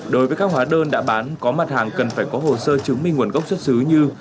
đối với các hóa đơn đã bán có mặt hàng cần phải có hồ sơ chứng minh nguồn gốc xuất xứ như